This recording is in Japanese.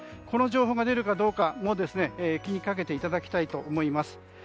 この情報が出るかどうかも気にかけていただきたいと思います。